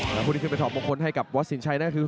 บางคนได้ไปสองคนก่อนวันนี้คือ